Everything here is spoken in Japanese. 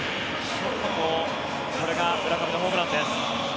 これが村上のホームランです。